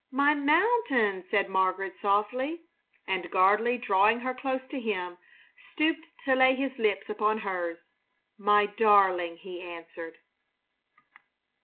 "My mountain!" said Margaret, softly. And Gardley, drawing her close to him, stooped to lay his lips upon hers. "My darling!" he answered.